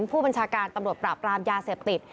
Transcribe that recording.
ผู้บัญชาการตำรวจปราบปรามยาเสพติด